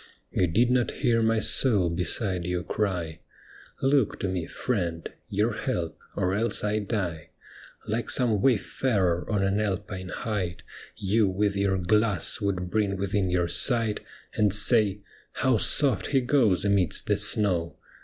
You did not hear my soul beside you cry, ' Look to me, friend ; your help, or else I die.' Like some wayfarer on an Alpine height, You with your glass would bring within your sight And say, * How soft he goes amidst the snow